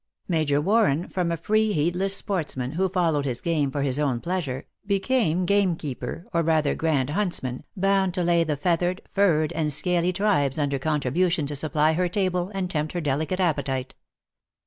Major Warren, from a free, heedless sportsman, who followed his game for his own pleasure, became gamekeeper, or rather, grand huntsman, bound to lay the feathered, furred, and scaly tribes under contribution to supply her table and tempt her delicate appetite.